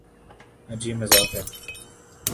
عجیب مذاق ہے۔